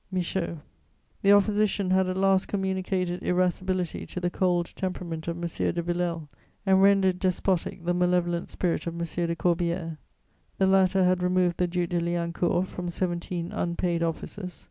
"MICHAUD." The Opposition had at last communicated irascibility to the cold temperament of M. de Villèle and rendered despotic the malevolent spirit of M. de Corbière. The latter had removed the Duc de Liancourt from seventeen unpaid offices.